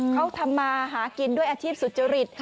เขาทำมาหากินด้วยอาชีพสุจริต